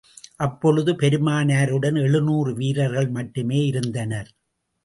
அப்பொழுது பெருமானாருடன் எழுநூறு வீரர்கள் மட்டுமே இருந்தனர்.